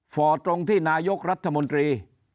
ฝ่อตรงที่นายกรัฐมนตรี